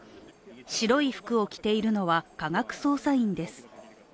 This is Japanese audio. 白い服を着ているのは、科学捜査員です。